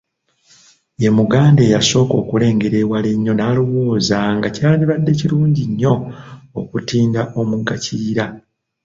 Ye Muganda eyasooka okulengera ewala ennyo n'alowooza nga kyandibadde kirungi nnyo okutinda omugga Kiyira.